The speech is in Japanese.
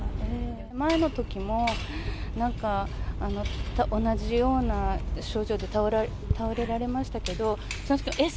前のときも、なんか同じような症状で倒れられましたけど、正直、えっ？